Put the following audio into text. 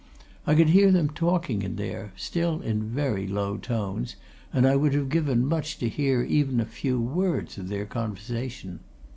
I could hear them talking in there, still in very low tones, and I would have given much to hear even a few words of their conversation.